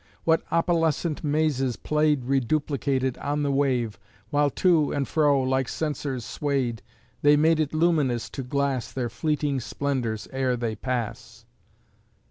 What opalescent mazes played Reduplicated on the wave, While, to and fro, like censers swayed, They made it luminous to glass Their fleeting splendors ere they pass!